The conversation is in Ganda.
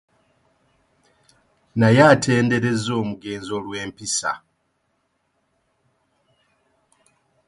Naye atenderezza omugenzi olw'empisa